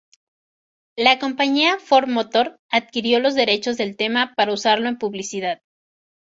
La compañía Ford Motor adquirió los derechos del tema para usarlo en publicidad.